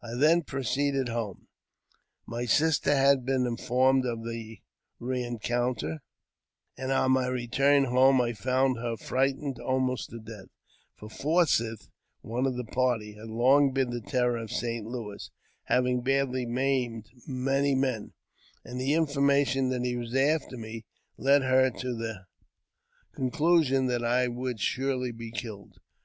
I then proceeded home. My sister had been informed of the rencounter, and on my return home I found her frightened I JAMES P. BECKWOUBTH. 321 almost to death ; for Forsyth (one of the party) had long been the terror of St. Louis, having badly maimed many men, and the information that he was after me led her to the conclusion that I would surely be killed.